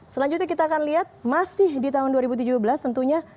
selanjutnya kita akan lihat masih di tahun dua ribu tujuh belas tentunya